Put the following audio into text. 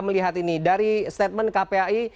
melihat ini dari statement kpai